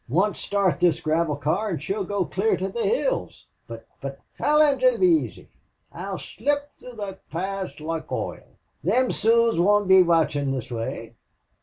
Once start this gravel car and she'll go clear to the hills. But but " "Collins, it'll be aisy. I'll slip through thot pass loike oil. Thim Sooz won't be watchin' this way.